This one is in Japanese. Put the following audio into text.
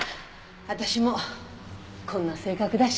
私もこんな性格だし。